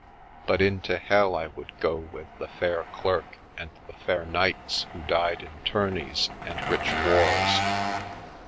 But into Hell I would go with the fair clerk and the fair knights who died in tourneys and rich wars.